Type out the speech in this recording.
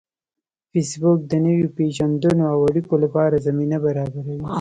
فېسبوک د نویو پیژندنو او اړیکو لپاره زمینه برابروي